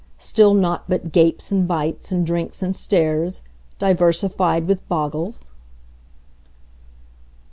Still naught but gapes and bites, And drinks and stares, diversified with boggles?